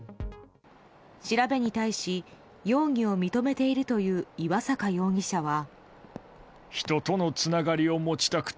調べに対し、容疑を認めているという岩坂容疑者は。